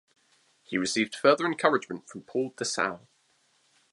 He received further encouragement from Paul Dessau.